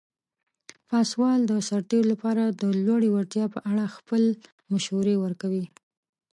پاسوال د سرتیرو لپاره د لوړې وړتیا په اړه خپل مشورې ورکوي.